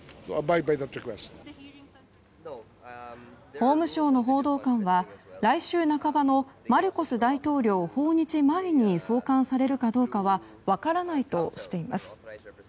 法務省の報道官は来週半ばのマルコス大統領訪日前に送還されるかどうかは分からないとしています。